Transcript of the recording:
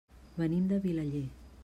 Venim de Vilaller.